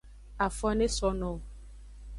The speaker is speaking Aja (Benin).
Afo ne so no wo.